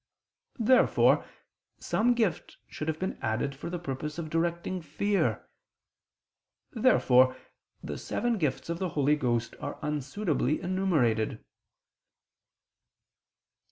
Therefore, some gift should have been added for the purpose of directing fear. Therefore the seven gifts of the Holy Ghost are unsuitably enumerated.